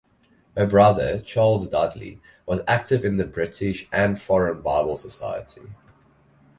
Her brother Charles Dudley was active in the British and Foreign Bible Society.